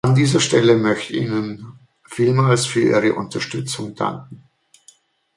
An dieser Stelle möchte Ihnen vielmals für Ihre Unterstützung danken.